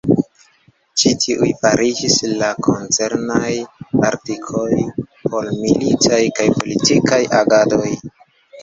Ĉi tiuj fariĝis la koncernaj artikoj por militaj kaj politikaj agadoj.